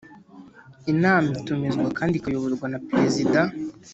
Inama itumizwa kandi ikayoborwa na perezida